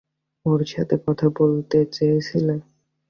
ওর সাথে কথা বলতে চেয়েছিল?